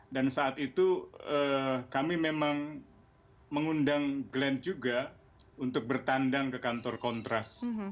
dan saat itu kami memang mengundang glenn juga untuk bertandang ke kantor kontras